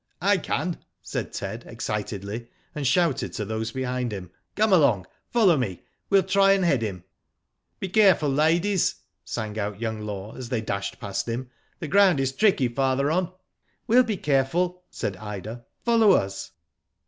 " I can," said Ted, excitedly, and shouted to those behind him :" Come along, follow me. We'll try and head him." Be careful ladies," sang out young Law, as they dashed past him, ''the ground is tricky farther on." We'll be careful," said Ida, "follow us."